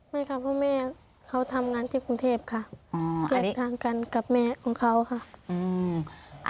ไม่ค่ะเพราะแม่เขาทำงานที่กรุงเทพค่ะแยกทางกันกับแม่ของเขาค่ะ